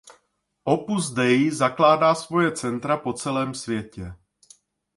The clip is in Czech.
Opus Dei zakládá svoje centra po celém světě.